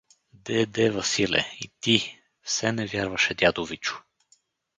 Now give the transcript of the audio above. — Де, де, Василе… И ти… — все не вярваше дядо Вичо.